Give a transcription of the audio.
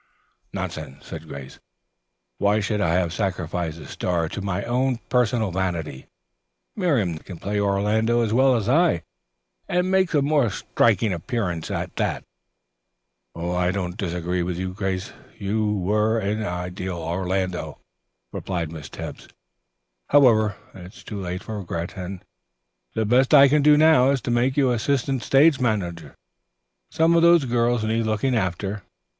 "Nonsense," said Grace. "Why should I have sacrificed the star to my own personal vanity? Miriam Nesbit can play Orlando as well as I, and makes a more striking appearance at that." "I don't agree with you, Grace, for you were an ideal 'Orlando,'" replied Miss Tebbs. "However it's too late for regret, and the best I can do now is to make you assistant stage manager. Some of those girls need looking after.